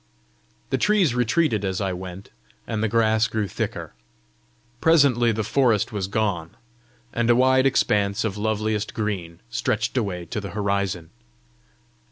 The trees retreated as I went, and the grass grew thicker. Presently the forest was gone, and a wide expanse of loveliest green stretched away to the horizon.